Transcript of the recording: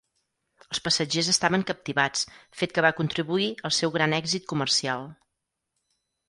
Els passatgers estaven captivats, fet que va contribuir al seu gran èxit comercial.